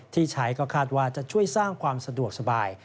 ที่ใช้ก็คาดว่าจะช่วยสร้างความสะดวกสบาย